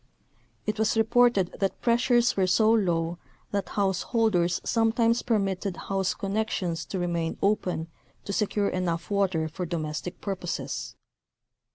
It was reported that pressures were so low that householders sometimes permitted house connections to remain open to secure enough water for domestic purposes.